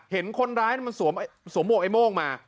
เห็นคนร้ายมันสวมหวกไอ้โม่งมา